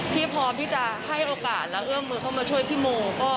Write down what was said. พร้อมที่จะให้โอกาสและเอื้อมมือเข้ามาช่วยพี่โม